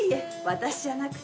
私じゃなくて。